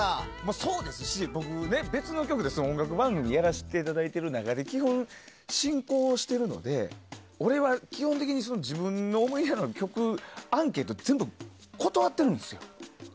そうですし、僕ね、別の局で音楽番組やらせていただいてて基本、進行をしているので俺は基本的に自分の思いがある曲のアンケート全部断ってるんですよ。